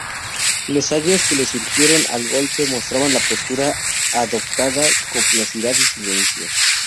Los años que le siguieron al golpe, mostraban la postura adoptada, complicidad y silencio.